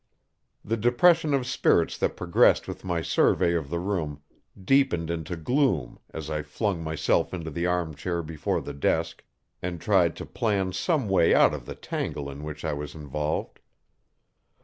The depression of spirits that progressed with my survey of the room deepened into gloom as I flung myself into the arm chair before the desk, and tried to plan some way out of the tangle in which I was involved.